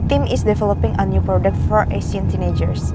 tim saya sedang mengembangkan produk baru untuk kelas kelas asing